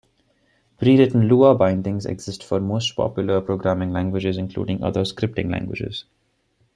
Prewritten Lua bindings exist for most popular programming languages, including other scripting languages.